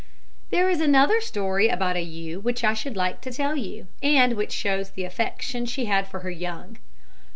There is another story about a ewe which I should like to tell you, and which shows the affection she had for her young.